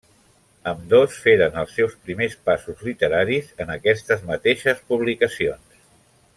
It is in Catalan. Ambdós feren els seus primers passos literaris en aquestes mateixes publicacions.